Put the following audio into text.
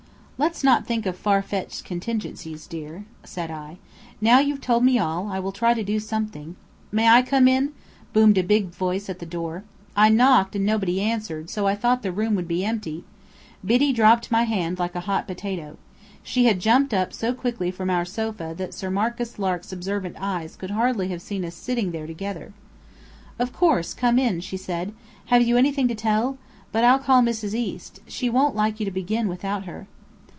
"Let's not think of far fetched contingencies, dear," said I. "Now you've told me all, I will try to do something " "May I come in?" boomed a big voice at the door. "I knocked and nobody answered, so I thought the room would be empty " Biddy dropped my hand like a hot potato. She had jumped up so quickly from our sofa that Sir Marcus Lark's observant eyes could hardly have seen us sitting there together. "Of course, come in," she said. "Have you anything to tell? But I'll call Mrs. East. She won't like you to begin without her."